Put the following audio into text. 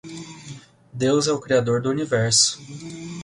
Deus é o Criador do Universo